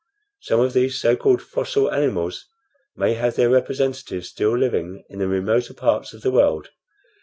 Some of these so called fossil animals may have their representatives still living in the remoter parts of the world.